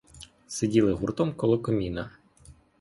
Сиділи гуртом коло каміна.